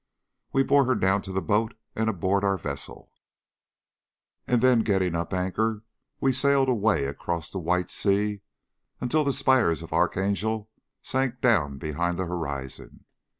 We bore her down to the boat and aboard our vessel, and then getting up anchor we sailed away across the White Sea until the spires of Archangel sank down behind the horizon.